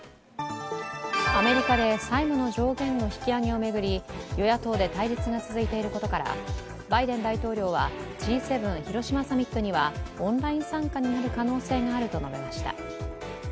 アメリカで債務の上限の引き上げを巡り与野党で対立が続いていることから、バイデン大統領はＧ７広島サミットにはオンライン参加になる可能性があると述べました。